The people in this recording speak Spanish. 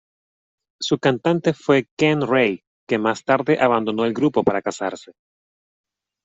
Su cantante fue Ken Ray, que más tarde abandonó el grupo para casarse.